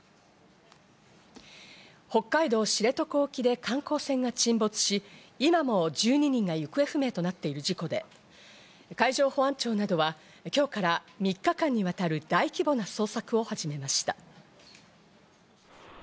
北海道・知床沖で観光船が沈没し、今も１２人が行方不明となっている事故で、海上保安庁などは今日から３日間にわたる大規模な捜索を始めました。